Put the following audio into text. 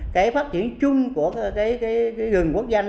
để phát triển chung của cái gừng quốc danh